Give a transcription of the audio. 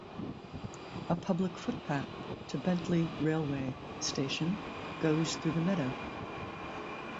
A public footpath to Bentley railway station goes through the meadow.